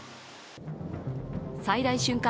最大瞬間